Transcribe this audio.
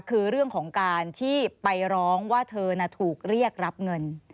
คือเรื่องของการที่ไปร้องว่าเธอน่ะถูกเรียกรับเงิน